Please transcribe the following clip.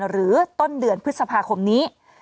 หรือต้นเดือนพฤษภาคมนี้